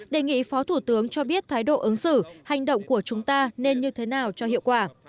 đề nghị phó thủ tướng cho biết thái độ ứng xử hành động của chúng ta nên như thế nào cho hiệu quả